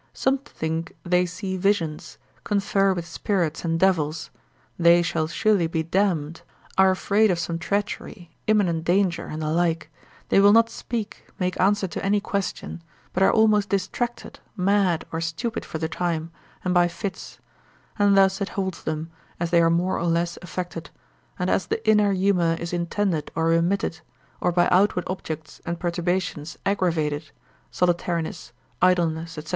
Some think they see visions, confer with spirits and devils, they shall surely be damned, are afraid of some treachery, imminent danger, and the like, they will not speak, make answer to any question, but are almost distracted, mad, or stupid for the time, and by fits: and thus it holds them, as they are more or less affected, and as the inner humour is intended or remitted, or by outward objects and perturbations aggravated, solitariness, idleness, &c.